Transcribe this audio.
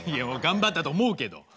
頑張ったと思うけど。